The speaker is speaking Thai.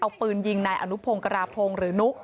เอาปืนยิงนายอนุพงศ์กราพงศ์หรือนุ